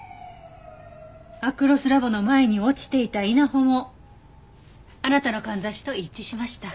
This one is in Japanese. アクロスラボの前に落ちていた稲穂もあなたのかんざしと一致しました。